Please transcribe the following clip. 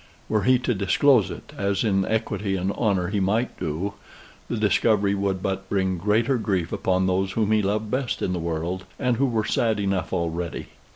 Were he to disclose it, as in equity and honor he might do, the discovery would but bring greater grief upon those whom he loved best in the world, and who were sad enough already.